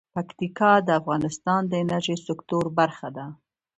پکتیکا د افغانستان د انرژۍ سکتور برخه ده.